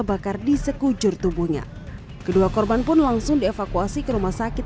bakar di sekujur tubuhnya kedua korban pun langsung dievakuasi ke rumah sakit